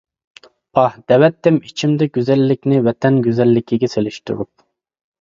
پاھ، دەۋەتتىم ئىچىمدە گۈزەللىكىنى ۋەتەن گۈزەللىكىگە سېلىشتۇرۇپ.